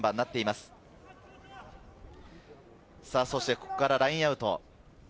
ここからラインアウト。